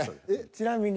ちなみに。